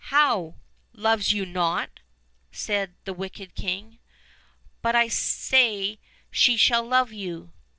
"How! loves you not?" said the wicked king; "but I say she shall love you."